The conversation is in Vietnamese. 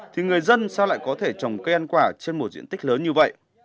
thì người dân sao lại có thể trồng cây ăn quả trên một diện tích lớn như vậy